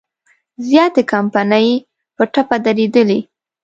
زیاتې کمپنۍ په ټپه درېدلي.